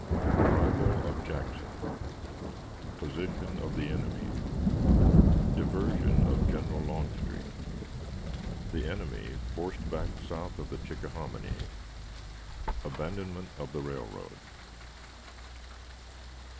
Arrival of Jackson. Position of the Enemy. Diversion of General Longstreet. The Enemy forced back south of the Chickahominy. Abandonment of the Railroad.